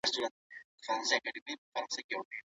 بانکونه د پیسو په دوران کي مرکزي رول لوبوي.